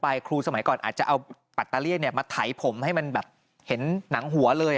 ครูสมัยก่อนอาจจะเอาปัตตาเลี่ยนมาไถผมให้มันแบบเห็นหนังหัวเลย